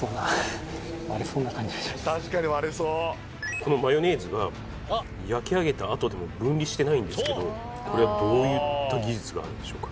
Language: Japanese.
このマヨネーズが焼き上げたあとでも分離してないんですけどこれはどういった技術があるんでしょうか？